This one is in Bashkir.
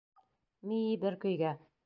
Мии бер көйгә.